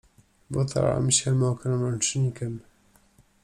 Wytarłem się mokrym ręcznikiem.